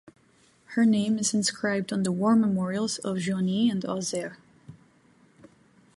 Her name is inscribed on the war memorials of Joigny and Auxerre.